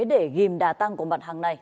để ghim đà tăng của mặt hàng này